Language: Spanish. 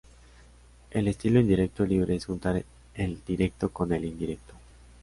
El estilo indirecto libre es juntar el directo con el indirecto